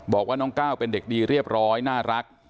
บอกว่าน้องก้าวเป็นเด็กดีเรียบร้อยน่ารัก